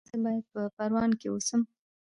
ایا زه باید په پروان کې اوسم؟